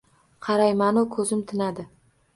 Qarayman-u, ko’zim tinadi